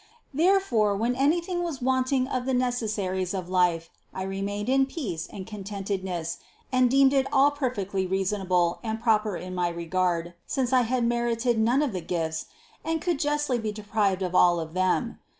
Therefore, when anything was wanting of the necessaries of life I re mained in peace and contentedness and deemed it all per fectly reasonable and proper in my regard, since I had merited none of the gifts and could justly be deprived of all of them.